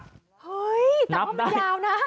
เห้ยนับไม่ยาวนะ